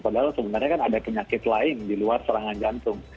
padahal sebenarnya kan ada penyakit lain di luar serangan jantung